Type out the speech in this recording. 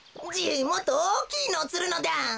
じいもっとおおきいのをつるのだ！